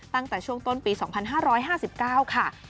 ตั้งแต่ช่วงต้นปี๒๕๕๙ค่ะ